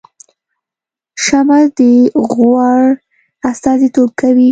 شمعه د غوړ استازیتوب کوي